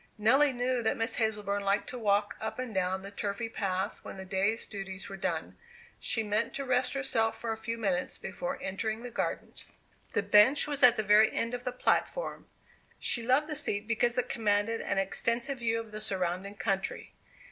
Nelly knew that Miss Hazleburn liked to walk up and down the turfy path when the day's duties were done. She meant to rest herself for a few minutes before entering the garden. The bench was at the very end of the platform. She loved the seat because it commanded an extensive view of the surrounding country.